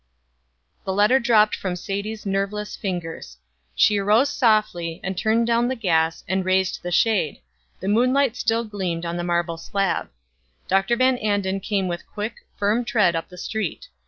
The letter dropped from Sadie's nerveless fingers. She arose softly, and turned down the gas, and raised the shade the moonlight still gleamed on the marble slab. Dr. Van Anden came with quick, firm tread up the street.